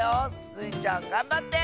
スイちゃんがんばって！